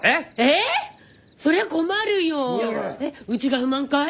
うちが不満かい？